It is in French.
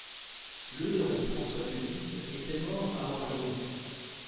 Le héros, François de Guise, était mort à Orléans.